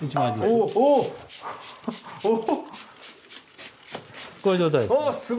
こういう状態です。